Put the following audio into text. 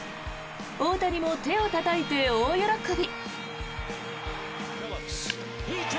大谷も手をたたいて大喜び。